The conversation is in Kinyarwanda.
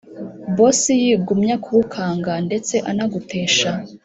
boss yigumya kugukanga ndetse anagutesha